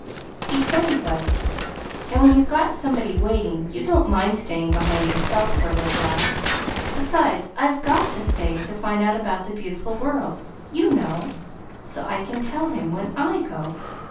He said he was. And when you've got somebody waiting, you don't mind staying behind yourself for a little while. Besides, I've GOT to stay to find out about the beautiful world, you know, so I can tell him, when I go.